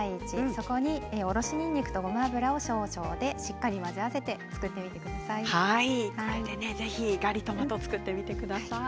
そこにおろしにんにくとごま油を少々で混ぜ合わせてぜひガリトマト作ってみてください。